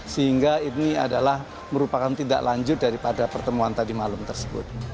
sehingga ini adalah merupakan tindak lanjut daripada pertemuan tadi malam tersebut